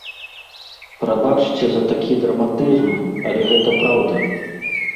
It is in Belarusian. Прабачце за такі драматызм, але гэта праўда.